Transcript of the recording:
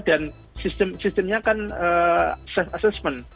dan sistemnya kan assessment